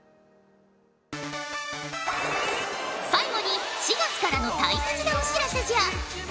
最後に４月からの大切なお知らせじゃ。